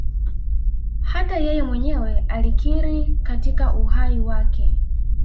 Hata yeye mwenyewe alikiri katika uhai wake